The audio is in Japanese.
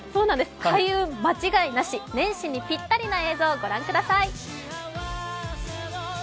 開運間違いなし、年始にぴったりの映像、ご覧ください。